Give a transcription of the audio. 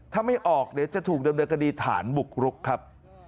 ถ้าไม่ออกจะถูกดำเนื้อกดีฐานบุกรุกครับ